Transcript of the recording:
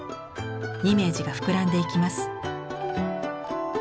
イメージが膨らんでいきます。